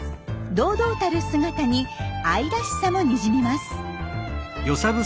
堂々たる姿に愛らしさもにじみます。